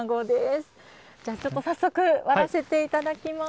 じゃあちょっと早速割らせて頂きます。